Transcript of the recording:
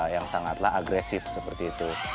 yang sangatlah agresif seperti itu